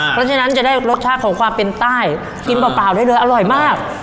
เพราะฉะนั้นจะได้รสชาติของความเป็นใต้กินเปล่าได้เลยอร่อยมาก